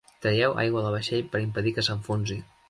Traieu aigua del vaixell per impedir que s'enfonsi.